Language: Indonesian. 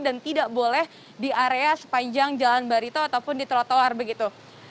dan tidak boleh di area sepanjang jalan barito ataupun di trotoar begitu